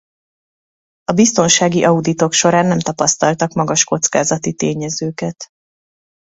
A biztonsági auditok során nem tapasztaltak magas kockázati tényezőket.